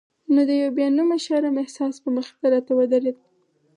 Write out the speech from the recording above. نو د یو بې نومه شرم احساس به مخې ته راته ودرېد.